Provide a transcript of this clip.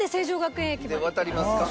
渡りますか？